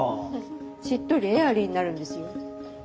しっとりエアリーになるんですよ。